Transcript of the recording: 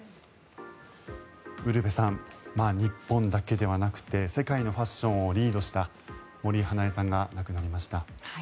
ウルヴェさん日本だけではなくて世界のファッションをリードした森英恵さんが亡くなりました。